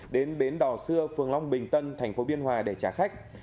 đến bến đò xưa phương long bình tân tp biên hòa để trả khách